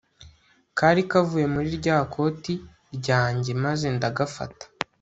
kari kavuye muri rya koti ryanjye maze ndagafata